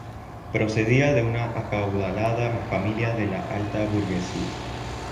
Procedía de una acaudalada familia de la alta burguesía.